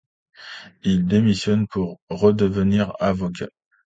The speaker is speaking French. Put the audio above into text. Il démissionne pour redevenir avocat.